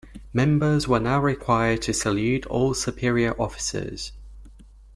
Members were now required to salute all superior officers.